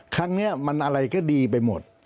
ครั้งนี้มันอะไรก็ดีไปหมด